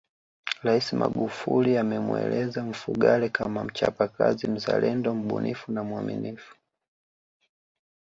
Rais Magufuli amemueleza Mfugale kama mchapakazi mzalendo mbunifu na mwaminifu